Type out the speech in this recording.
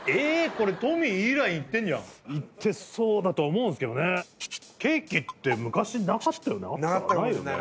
これトミーいいラインいってんじゃんいってそうだと思うんすけどねケーキって昔なかったよね